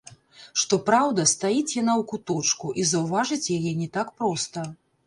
Што праўда, стаіць яна ў куточку, і заўважыць яе не так проста.